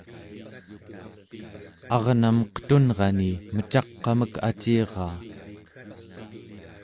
arnam qetunrani mecaq'amek aciraa